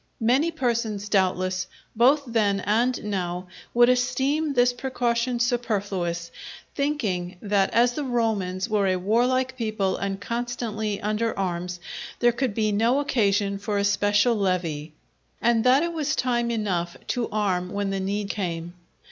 Many persons, doubtless, both then and now, would esteem this precaution superfluous, thinking that as the Romans were a warlike people and constantly under arms, there could be no occasion for a special levy, and that it was time enough to arm when the need came.